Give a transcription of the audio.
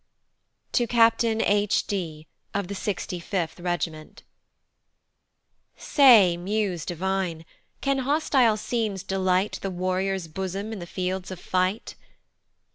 To Captain H D, of the 65th Regiment. SAY, muse divine, can hostile scenes delight The warrior's bosom in the fields of fight?